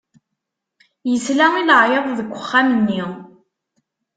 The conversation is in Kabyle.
Yesla i leɛyaḍ deg uxxam-nni.